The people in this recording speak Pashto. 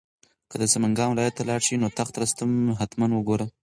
که د سمنګان ولایت ته لاړ شې نو تخت رستم حتماً وګوره.